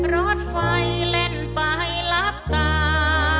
รถไฟเล่นไปรับตา